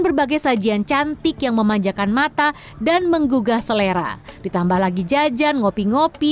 berbagai sajian cantik yang memanjakan mata dan menggugah selera ditambah lagi jajan ngopi ngopi